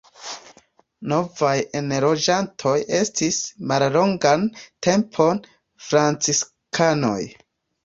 Novaj enloĝantoj estis mallongan tempon franciskanoj.